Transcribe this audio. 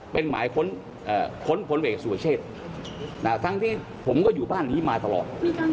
เป็นชื่อของคนละเรือนเขาก็เลยสำคัญ